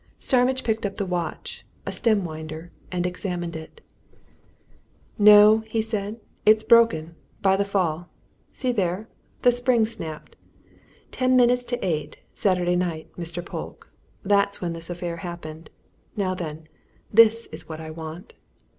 Starmidge picked up the watch a stem winder and examined it. "No," he said, "it's broken by the fall. See there! the spring's snapped. Ten minutes to eight, Saturday night, Mr. Polke that's when this affair happened. Now then, this is what I want!"